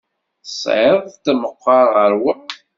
Tesεiḍ-t meqqer ɣer wa?